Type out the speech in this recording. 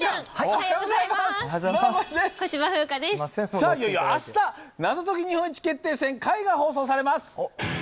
さあ、いよいよあした、謎解き日本一決定戦Ｘが放送されます。